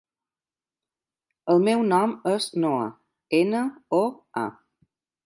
El meu nom és Noa: ena, o, a.